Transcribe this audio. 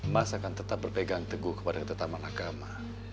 mas akan tetap berpegang teguh kepada ketetapan agama